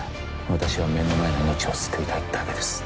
私は目の前の命を救いたいだけです